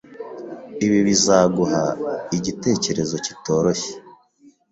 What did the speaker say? Ibi bizaguha igitekerezo kitoroshye.